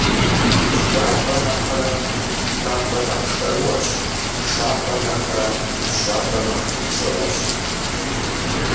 Жьабэ нэхърэ шабэ нэхъ шэрыуэщ, шабэ нэхърэ жьабэ нэхъ губзыгъэщ.